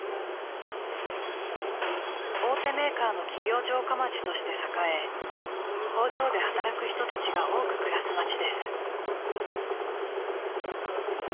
［大手メーカーの企業城下町として栄え工場で働く人たちが多く暮らす街です］